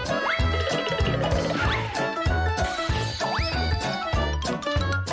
โอ้โหน่ารัก